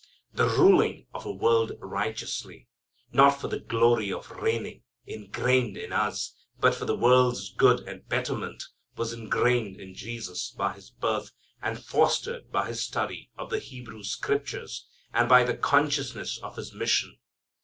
The ruling of a world righteously not for the glory of reigning, ingrained in us, but for the world's good and betterment was ingrained in Jesus by His birth, and fostered by His study of the Hebrew scriptures, and by the consciousness of His mission.